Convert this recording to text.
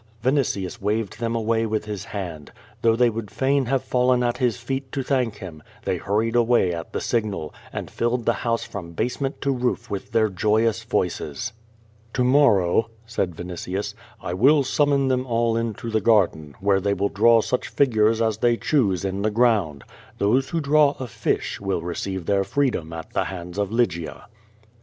Vinitius waved them away with his hand. Though they would fain have fallen at his feet to thank him, they hurried away at the signal, and filled the house from basement to roof with their joyous voices. "To morrow," said Vinitius, "I will summon them all into the garden, where they will draw such figures as they choose in the ground. Those who draw a fish will receive their free dom at the hands of Lygia."